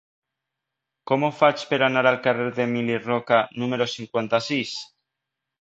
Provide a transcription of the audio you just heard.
Com ho faig per anar al carrer d'Emili Roca número cinquanta-sis?